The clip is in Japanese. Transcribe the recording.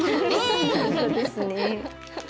本当ですね。